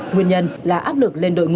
nguyên nhân là áp lực lên đội ngũ